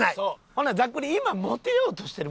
ほんならざっくり今モテようとしてる？